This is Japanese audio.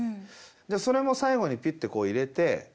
でそれも最後にピュッてこう入れて。